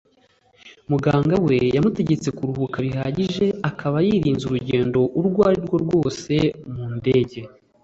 muganga we yamutegetse kuruhuka bihagije akaba yirinze urugendo urwo ari rwo rwose mu ndege